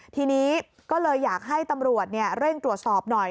ทีนี้ก็เลยอยากให้ตำรวจเร่งตรวจสอบหน่อย